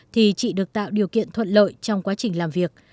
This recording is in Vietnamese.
thì chị được tạo điều kiện thuận lợi trong quá trình làm việc